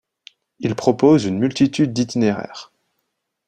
Il propose une multitudes d'itinéraires.